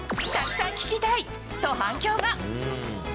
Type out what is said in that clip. たくさん聞きたい！と反響が。